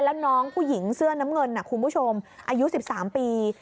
แล้วน้องผู้หญิงเสื้อน้ำเงินคุณผู้ชมอายุ๑๓ปี